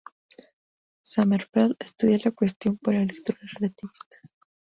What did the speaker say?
Sommerfeld estudió la cuestión para electrones relativistas.